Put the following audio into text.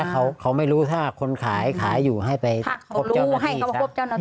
เขาไม่รู้ถ้าคนขายขายอยู่ให้ไปคบเจ้าหน้าที่